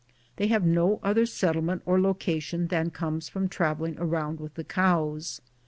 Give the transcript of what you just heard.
They have no other settlement or location than comes from traveling around with the cows.